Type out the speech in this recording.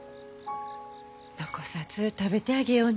残さず食べてあげようね。